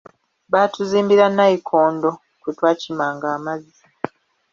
Baatuzimbira nnayikondo kwe twakimanga amazzi.